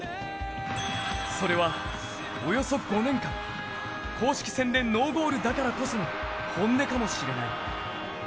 それはおよそ５年間、公式戦でノーゴールだからこその本音かもしれない。